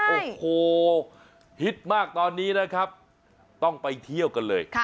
โอ้โหฮิตมากตอนนี้นะครับต้องไปเที่ยวกันเลย